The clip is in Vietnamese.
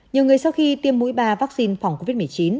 nhiều người sau khi tiêm mũi ba vaccine phòng covid một mươi chín